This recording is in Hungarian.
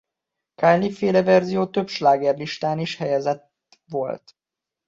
A Kylie-féle verzió több slágerlistán is helyezett volt.